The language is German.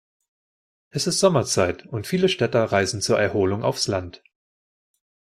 Es ist Sommerzeit und viele Städter reisen zur Erholung aufs Land.